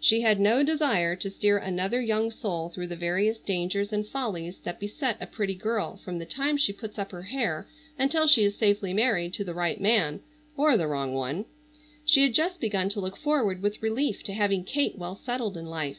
She had no desire to steer another young soul through the various dangers and follies that beset a pretty girl from the time she puts up her hair until she is safely married to the right man—or the wrong one. She had just begun to look forward with relief to having Kate well settled in life.